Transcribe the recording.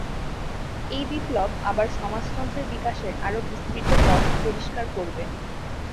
এই বিপ্লব আবার সমাজতন্ত্রের বিকাশের আরো বিস্তৃত পথ পরিষ্কার করবে।